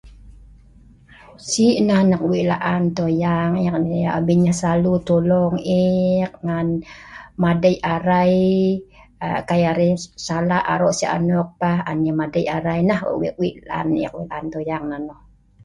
Sik nan eek weik laan toyang eek abin yeh selalu tolong eek ngan madei arai, kai arai salak arok sik anok pah on yeh madei arai. Nah weik laan eek wan toyang nonoh